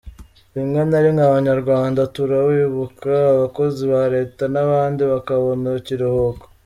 Rimwe na rimwe Abanyarwanda turawibuka, abakozi ba leta n’abandi bakabona ikiruhuko.